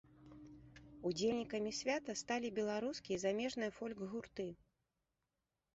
Удзельнікамі свята сталі беларускія і замежныя фольк-гурты.